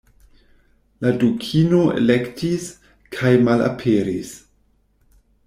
La Dukino elektis, kajmalaperis!